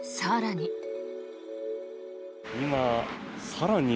更に。